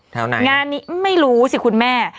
แถวไหนงานนี้ไม่รู้สิคุณแม่